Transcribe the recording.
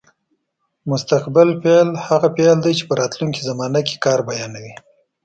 مستقبل فعل هغه فعل دی چې په راتلونکې زمانه کې کار بیانوي.